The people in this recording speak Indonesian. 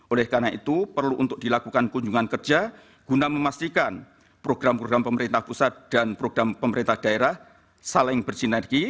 oleh karena itu perlu untuk dilakukan kunjungan kerja guna memastikan program program pemerintah pusat dan program pemerintah daerah saling bersinergi